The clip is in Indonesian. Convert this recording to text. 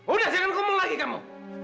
udah jangan ngomong lagi kamu